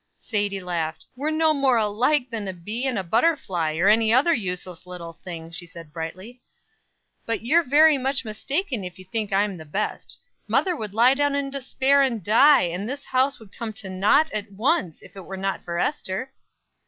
Sadie laughed. "We're no more alike than a bee and a butterfly, or any other useless little thing," she said, brightly. "But you're very much mistaken if you think I'm the best. Mother would lie down in despair and die, and this house would come to naught at once, if it were not for Ester."